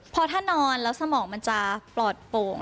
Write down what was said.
พอถ้านอนแล้วสมองมันจะปลอดโป่ง